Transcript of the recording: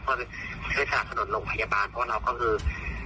เพราะว่าพฤษฐานสนุนโรงพยาบาลเพราะเราก็คือ